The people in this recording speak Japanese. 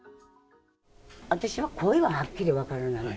私は声ははっきり分からない。